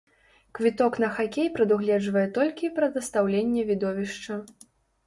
Квіток на хакей прадугледжвае толькі прадастаўленне відовішча.